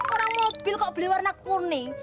orang mobil kok beli warna kuning